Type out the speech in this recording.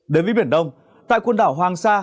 đến với biển đông tại quân đảo hoàng sa